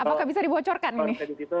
apakah bisa dibocorkan ini